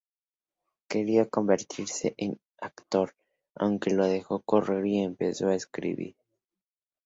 Quería convertirse en actor, aunque lo dejó correr y empezó a escribir.